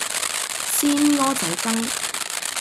鮮蚵仔羹